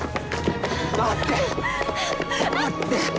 待って！